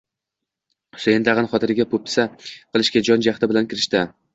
Husayn tag`in xotiniga po`pisa qilishga jon-jahdi bilan kirishdi